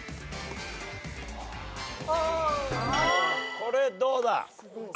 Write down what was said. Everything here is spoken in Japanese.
これどうだ？